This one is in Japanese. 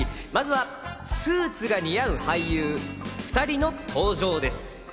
まずはスーツが似合う俳優２人の登場です。